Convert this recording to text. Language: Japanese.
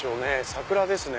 桜ですね